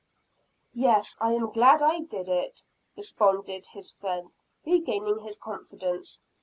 "Yes, I am glad I did it," responded his friend, regaining his confidence.